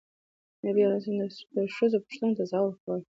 نبي ﷺ د ښځو پوښتنو ته ځواب ورکول.